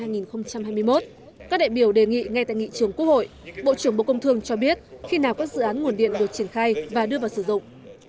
các đại biểu đề nghị ngay tại nghị trường quốc hội bộ trưởng bộ công thương cho biết khi nào các dự án nguồn điện được triển khai và đưa vào sử dụng